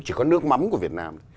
chỉ có nước mắm của việt nam